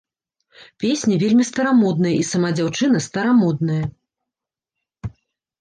Песня вельмі старамодная і сама дзяўчына старамодная.